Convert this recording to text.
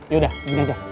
yaudah gini aja